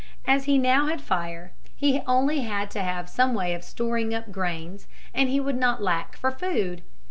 As he now had fire he only had to have some way of storing up grains and he would not lack for food.